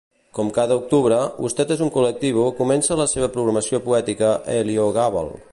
Com cada octubre, Usted es un Colectivo comença la seva programació poètica a l'Heliogàbal.